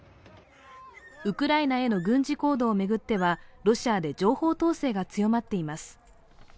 ウクライナへの軍事行動を巡ってはロシアで情報統制が強まっています。